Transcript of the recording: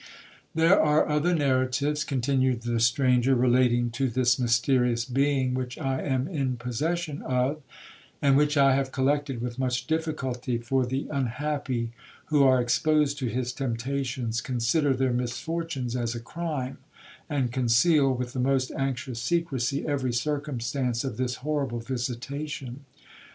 'There are other narratives,' continued the stranger, 'relating to this mysterious being, which I am in possession of, and which I have collected with much difficulty; for the unhappy, who are exposed to his temptations, consider their misfortunes as a crime, and conceal, with the most anxious secresy, every circumstance of this horrible visitation.